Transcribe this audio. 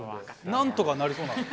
なんとかなりそうな。